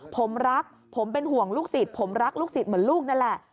ผมรักผมเป็นห่วงลูกศิษย์ผมรักลูกศิษย์เหมือนลูกนั่นแหละ